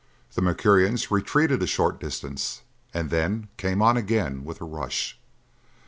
The Mercurians retreated a short distance and then came on again with a rush.